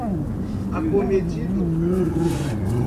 acometido